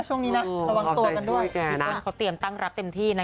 ช่วงนี้นะระวังตัวกันด้วยพี่ต้นเขาเตรียมตั้งรับเต็มที่นะ